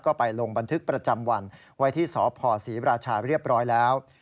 ก็ไปลงบันทึกประจำวันไว้ที่สพศรีราชาเรียบร้อยแล้ว